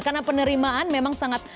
karena penerimaan memang sangat tinggi